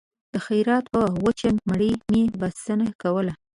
د خیرات په وچه مړۍ مې بسنه کوله